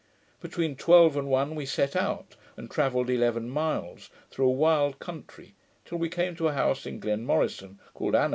Between twelve and one we set out, and travelled eleven miles, through a wild country, till we came to a house in Glenmorison, called Anoch, kept by a M'Queen.